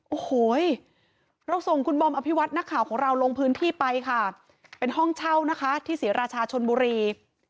โอ้โหเราส่งคุณบอมอภิวัตนักข่าวของเราลงพื้นที่ไปค่ะเป็นห้องเช่านะคะที่ศรีราชาชนบุรี